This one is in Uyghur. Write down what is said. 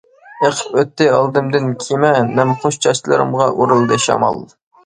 ئېقىپ ئۆتتى ئالدىمدىن كېمە، نەمخۇش چاچلىرىمغا ئۇرۇلدى شامال.